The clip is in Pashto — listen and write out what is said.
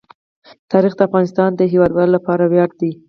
تاریخ د افغانستان د هیوادوالو لپاره ویاړ دی.